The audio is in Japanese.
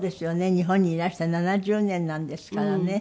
日本にいらして７０年なんですからね。